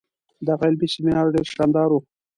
دغه علمي سیمینار ډیر شانداره وو.